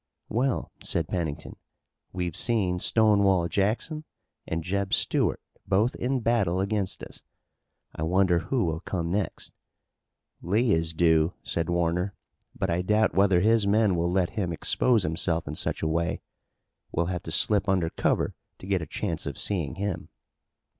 "Well," said Pennington. "We've seen Stonewall Jackson and Jeb Stuart both in battle against us. I wonder who will come next." "Lee is due," said Warner, "but I doubt whether his men will let him expose himself in such a way. We'll have to slip under cover to get a chance of seeing him."